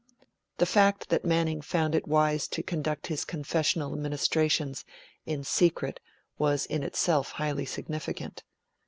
The fact that Manning found it wise to conduct his confessional ministrations in secret was in itself highly significant.